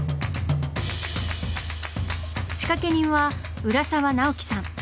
仕掛け人は浦沢直樹さん。